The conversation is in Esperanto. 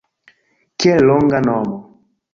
Kiel longa nomo